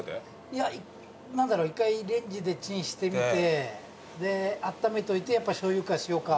いや何だろう一回レンジでチンしてみてあっためといてやっぱしょうゆか塩か。